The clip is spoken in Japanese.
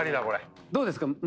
これどうですか？